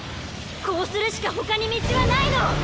こうするしかほかに道はないの！